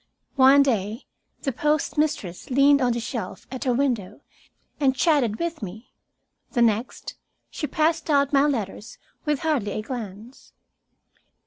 One day the postmistress leaned on the shelf at her window and chatted with me. The next she passed out my letters with hardly a glance.